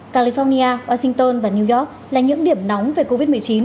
california washington và new york là những điểm nóng về covid một mươi chín với số ca nhiễm bệnh